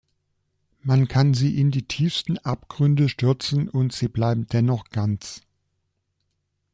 Man kann sie in die tiefsten Abgründe stürzen und sie bleiben dennoch ganz.